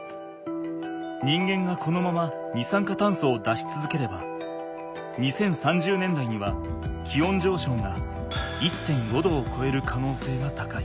人間がこのまま二酸化炭素を出しつづければ２０３０年代には気温じょうしょうが１．５℃をこえるかのうせいが高い。